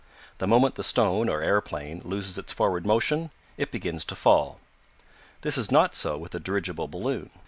The moment the stone, or aeroplane, loses its forward motion, it begins to fall. This is not so with a dirigible balloon.